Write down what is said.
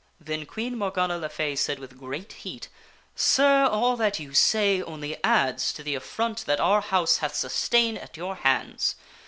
Then Queen Morgana le Fay said with great heat, " Sir, all that you say only adds to the affront that our house hath sustained at your hands.